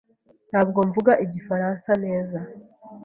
Ntabwo mvuga Igifaransa neza.